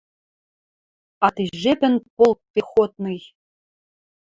А ти жепӹн полк пехотный